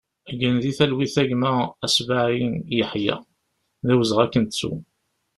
Gen di talwit a gma Asbaï Yaḥia, d awezɣi ad k-nettu!